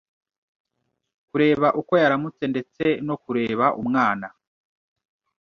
kureba uko yaramutse ndetse no kureba umwana.